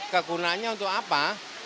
kegunanya untuk apa